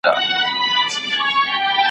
شپه مي نیمی که له آذانه پر ما ښه لګیږي